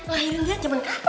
lahirnya zaman kapan